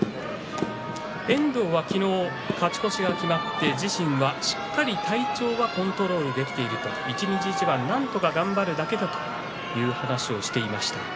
遠藤は昨日勝ち越しが決まって、自身はしっかり体調はコントロールできている一日一番なんとか頑張るだけだという話をしていました。